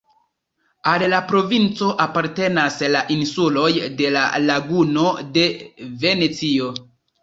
Al la provinco apartenas la insuloj de la Laguno de Venecio.